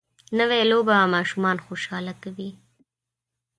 نوې لوبه ماشومان خوشحاله کوي